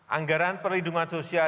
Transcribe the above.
anggaran perlindungan sosial